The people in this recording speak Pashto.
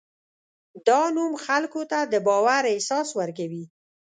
دا نوم خلکو ته د باور احساس ورکوي.